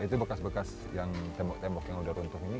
itu bekas bekas yang tembok tembok yang udah runtuh ini